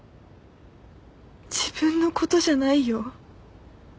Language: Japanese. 自分のことじゃないよ。